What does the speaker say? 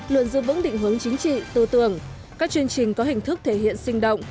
luận dư vững định hướng chính trị tư tưởng các chương trình có hình thức thể hiện sinh động